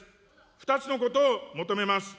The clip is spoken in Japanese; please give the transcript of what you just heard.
２つのことを求めます。